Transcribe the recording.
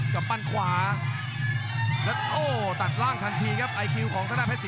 กำปั้นขวาแล้วโอ้ตัดล่างทันทีครับไอคิวของธนาเพชร๔